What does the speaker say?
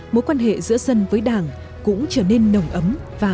mối quan hệ giữa dân với đảng cũng trở nên nồng ấm